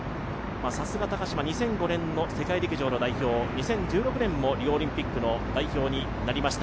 さすが高島、２０１５年の世界陸上の代表、２０１６年もリオオリンピックの代表になりました。